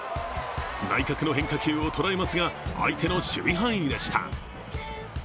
内角の変化球を捉えますが相手の守備範囲でした。